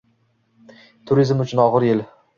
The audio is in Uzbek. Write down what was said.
Turizm uchun og‘ir yil